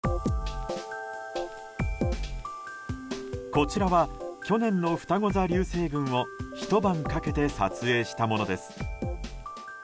こちらは去年のふたご座流星群をひと晩かけて撮影したものです。